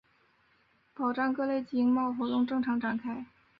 保障各类经贸活动正常开展